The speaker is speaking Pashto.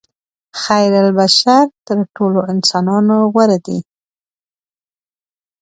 خیرالبشر تر ټولو انسانانو غوره دي.